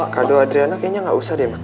kado adriana kayaknya gak usah deh emang